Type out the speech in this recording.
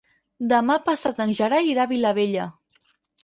Demà passat en Gerai irà a Vilabella.